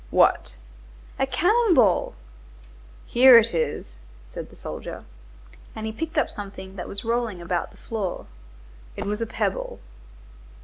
"What?" "A cannon ball." "Here it is," said the soldier. And he picked up something that was rolling about the floor. It was a pebble.